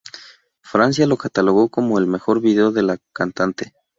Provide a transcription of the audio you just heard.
Francia lo catalogó como el mejor video de la cantante.